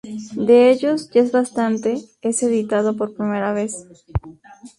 De ellos, "Ya es bastante" es editado por primera vez.